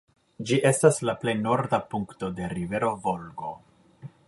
Ĝi estas la plej norda punkto de rivero Volgo.